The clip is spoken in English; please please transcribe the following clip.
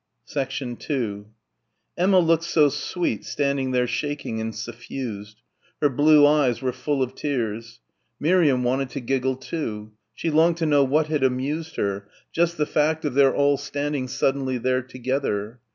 2 Emma looked so sweet standing there shaking and suffused. Her blue eyes were full of tears. Miriam wanted to giggle too. She longed to know what had amused her ... just the fact of their all standing suddenly there together.